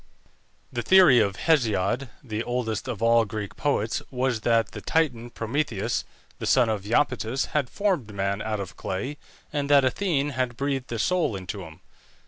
The theory of Hesiod, the oldest of all the Greek poets, was that the Titan Prometheus, the son of Iapetus, had formed man out of clay, and that Athene had breathed a soul into him.